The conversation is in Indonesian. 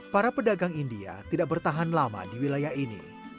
para pedagang india tidak bertahan lama di wilayah ini